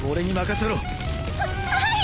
ははい！